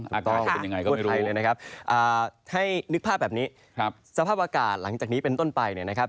ถูกต้องพูดไทยเลยนะครับให้นึกภาพแบบนี้สภาพอากาศหลังจากนี้เป็นต้นไปนะครับ